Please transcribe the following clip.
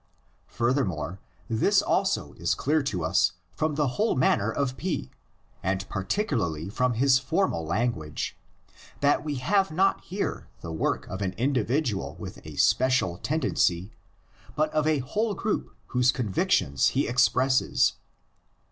Furthermore, this also is clear to us from the whole manner of P, and particularly from his formal language, that we have not here the work of an individual with a special tendency, but of a whole group whose convictions he expresses.